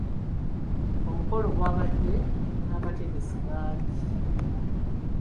Omukolo gwabadde n'abategesi bangi.